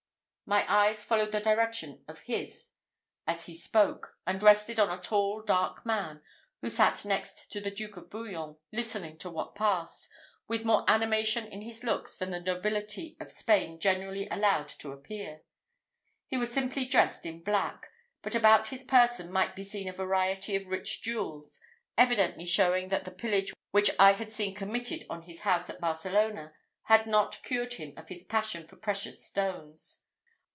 My eyes followed the direction of his as he spoke, and rested on a tall, dark man, who sat next to the Duke of Bouillon, listening to what passed, with more animation in his looks than the nobility of Spain generally allowed to appear. He was simply dressed in black; but about his person might be seen a variety of rich jewels, evidently showing that the pillage which I had seen committed on his house at Barcelona had not cured him of his passion for precious stones.